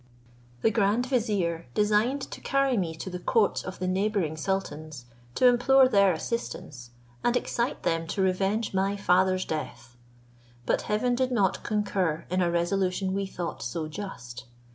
The grand vizier designed to carry me to the courts of the neighbouring sultans, to implore their assistance, and excite them to revenge my father's death; but heaven did not concur in a resolution we thought so just.